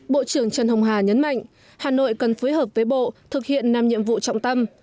bộ trưởng trần hồng hà nhấn mạnh hà nội cần phối hợp với bộ thực hiện năm nhiệm vụ trọng tâm